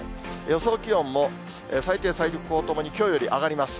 予想気温も最低、最高ともにきょうより上がります。